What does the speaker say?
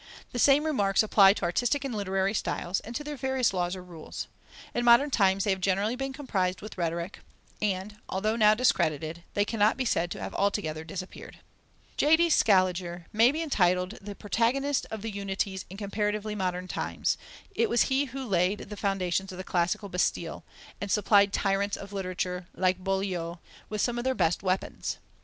The same remarks apply to artistic and literary styles, and to their various laws or rules. In modern times they have generally been comprised with rhetoric, and although now discredited, they cannot be said to have altogether disappeared. J.C. Scaliger may be entitled the protagonist of the unities in comparatively modern times: he it was who "laid the foundations of the classical Bastille," and supplied tyrants of literature, like Boileau, with some of their best weapons.